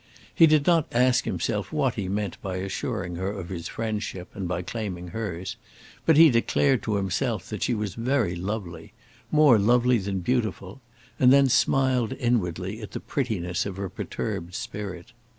He did not ask himself what he meant by assuring her of his friendship, and by claiming hers, but he declared to himself that she was very lovely, more lovely than beautiful, and then smiled inwardly at the prettiness of her perturbed spirit.